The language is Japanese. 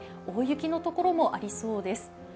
大雪のところもありそうです。